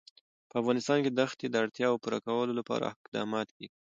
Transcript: په افغانستان کې د ښتې د اړتیاوو پوره کولو لپاره اقدامات کېږي.